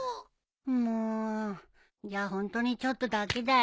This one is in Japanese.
もうじゃあホントにちょっとだけだよ。